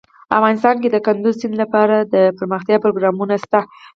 افغانستان کې د کندز سیند لپاره دپرمختیا پروګرامونه شته.